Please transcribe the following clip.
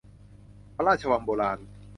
พระราชวังโบราณ